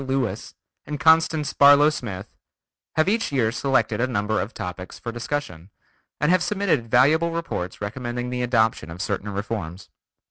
Lewis, and Constance Barlow Smith) have each year selected a number of topics for discussion, and have submitted valuable reports recommending the adoption of certain reforms.